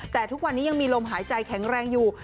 แต่ทุกวันนี้ยังมีลมหายใจแข็งแรงอยู่